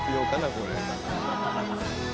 これ。